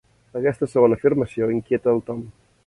Aquesta segona afirmació inquieta el Tom.